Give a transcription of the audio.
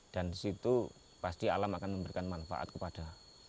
dan disitu pasti alam akan memberikan manfaat kepada